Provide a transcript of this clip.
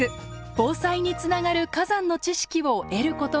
防災につながる火山の知識を得ることができました。